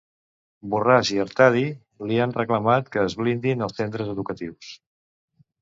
Borràs i Artadi li han reclamat que es blindin els centres educatius.